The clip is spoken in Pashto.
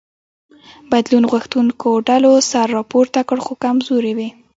بدلون غوښتونکو ډلو سر راپورته کړ خو کمزوري وې.